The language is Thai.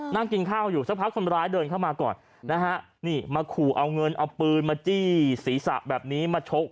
นั่งกินข้าวอยู่สักพักคนร้ายเดินเข้ามาก่อนนะฮะนี่มาขู่เอาเงินเอาปืนมาจี้ศีรษะแบบนี้มาชก